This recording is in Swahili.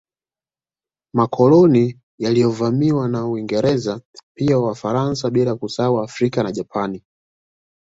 Makoloni yaliyovamiwa na Waingereza pia Wafaransa bila kusahau Afrika na Japani